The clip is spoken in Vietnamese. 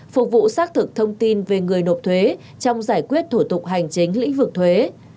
phục vụ xác thực thông tin về người nộp thuế trong giải quyết thủ tục hành chính lĩnh vực thuế